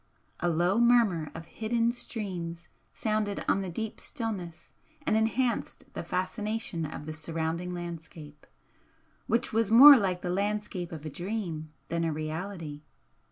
A low murmur of hidden streams sounded on the deep stillness and enhanced the fascination of the surrounding landscape, which was more like the landscape of a dream than a reality.